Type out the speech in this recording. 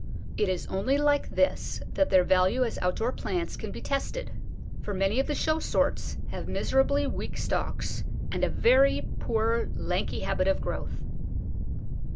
It is only like this that their value as outdoor plants can be tested; for many of the show sorts have miserably weak stalks, and a very poor, lanky habit of growth.